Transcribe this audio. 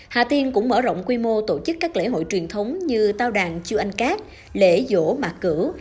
hà tiên cũng mở rộng quy mô tổ chức các lễ hội truyền thống như tao đàn chư anh cát lễ vỗ mạc cửu